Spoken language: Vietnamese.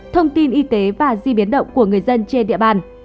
thông tin y tế và di biến động của người dân trên địa bàn